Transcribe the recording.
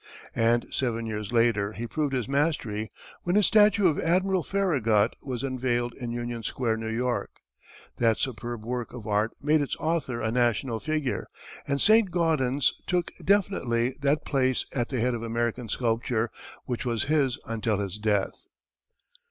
And seven years later he proved his mastery when his statue of Admiral Farragut was unveiled in Union Square, New York. That superb work of art made its author a national figure, and Saint Gaudens took definitely that place at the head of American sculpture which was his until his death.